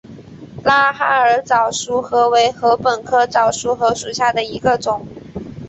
拉哈尔早熟禾为禾本科早熟禾属下的一个种。